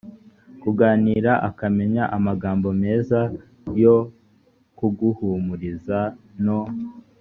kuganira akamenya amagambo meza yo kuguhumuriza no